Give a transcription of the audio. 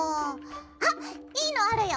あいいのあるよ！